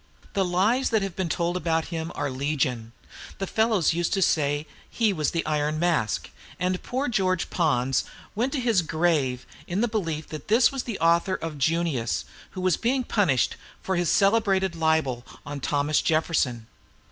The lies that have been told about him are legion. The fellows used to say he was the "Iron Mask;" and poor George Pons went to his grave in the belief that this was the author of "Junius," who was being punished for his celebrated libel on Thomas Jefferson.